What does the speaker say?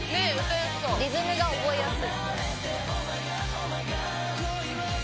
「リズムが覚えやすい」